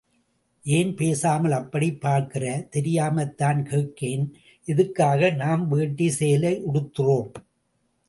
ஏன் பேசாமல் அப்படி பாக்கிற தெரியாமத்தான் கேட்கேன்... எதுக்காக நாம் வேட்டி... சேலை உடுத்துறோம்.